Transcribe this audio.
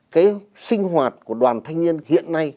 cái sinh hoạt của đoàn thanh niên hiện nay